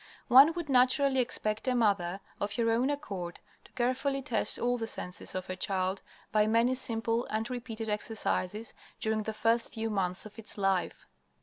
One would naturally expect a mother, of her own accord, to carefully test all the senses of her child by many simple and repeated exercises during the first few months of its life.